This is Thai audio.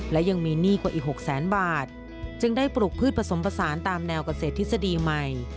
และยังมีหนี้กว่าอีก๖แสนบาทจึงได้ปลูกพืชผสมผสานตามแนวเกษตรทฤษฎีใหม่